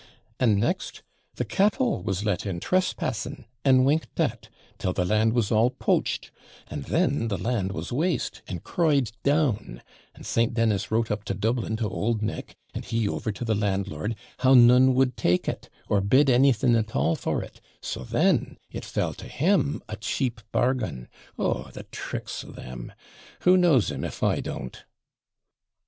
And next, the cattle was let in trespassing, and winked at, till the land was all poached; and then the land was waste, and cried down; and St. Dennis wrote up to Dublin to old Nick, and he over to the landlord, how none would take it, or bid anything at all for it; so then it fell to him a cheap bargain. Oh, the tricks of them! who knows 'em, if I don't?'